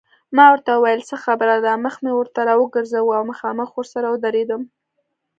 ما ورته وویل څه خبره ده، مخ مې ورته راوګرځاوه او مخامخ ورسره ودرېدم.